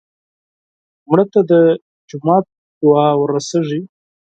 مړه ته د جومات دعا ورسېږي